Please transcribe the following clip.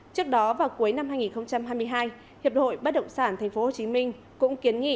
trước đó vào cuối năm hai nghìn hai mươi hai hiệp hội bất động sản tp hcm cũng kiến nghị